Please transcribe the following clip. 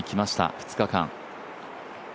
２日間。